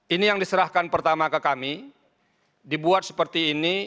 ini yang diserahkan pertama ke kami dibuat seperti ini